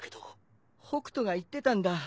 北斗が言ってたんだ。